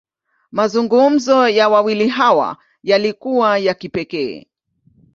Mazungumzo ya wawili hawa, yalikuwa ya kipekee.